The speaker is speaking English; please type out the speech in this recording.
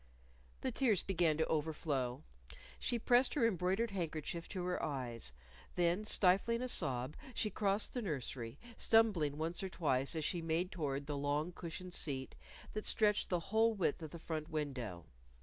_ The tears began to overflow. She pressed her embroidered handkerchief to her eyes. Then, stifling a sob, she crossed the nursery, stumbling once or twice as she made toward the long cushioned seat that stretched the whole width of the front window.